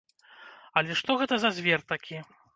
Але што гэта за звер такі?